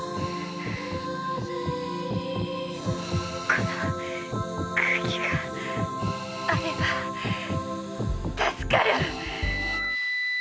この空気があれば助かる！